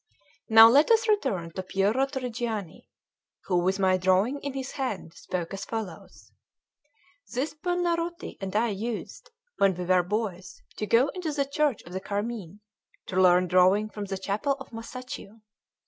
XIII NOW let us return to Piero Torrigiani, who, with my drawing in his hand, spoke as follows: "This Buonarroti and I used, when we were boys, to go into the Church of the Carmine, to learn drawing from the chapel of Masaccio.